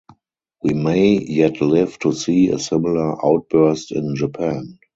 We may yet live to see a similar outburst in Japan.